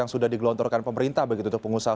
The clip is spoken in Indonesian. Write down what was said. yang sudah digelontorkan pemerintah begitu untuk pengusaha